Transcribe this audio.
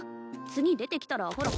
次出てきたらほら